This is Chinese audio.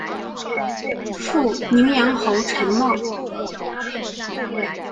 父宁阳侯陈懋。